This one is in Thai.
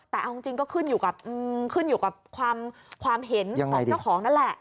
แต่เอาจริงก็ขึ้นอยู่กับความเห็นของเจ้าของนั่นแหละ